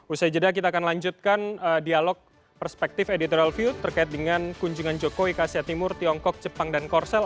usai jeda kita akan lanjutkan dialog perspektif editorial view terkait dengan kunjungan jokowi ke asia timur tiongkok jepang dan korsel